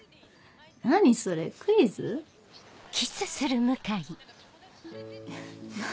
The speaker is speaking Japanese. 何それクイズ？何？